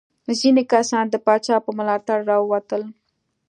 ځینې کسان د پاچا په ملاتړ راووتل.